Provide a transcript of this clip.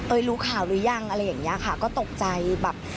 รู้ข่าวหรือยังอะไรอย่างเงี้ยค่ะก็ตกใจแบบ